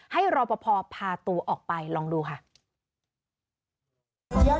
ให้รอพอพอพาตัวออกไปลองดูค่ะเดี๋ยวเดี๋ยวเดียวเต้า